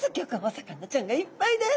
魚ちゃんがいっぱいです！